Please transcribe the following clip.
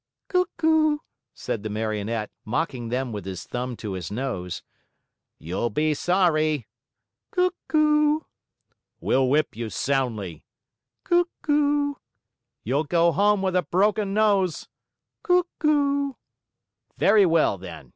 "Cuck oo!" said the Marionette, mocking them with his thumb to his nose. "You'll be sorry!" "Cuck oo!" "We'll whip you soundly!" "Cuck oo!" "You'll go home with a broken nose!" "Cuck oo!" "Very well, then!